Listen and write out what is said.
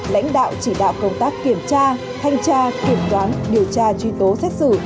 lãnh đạo chỉ đạo công tác kiểm tra thanh tra kiểm toán điều tra truy tố xét xử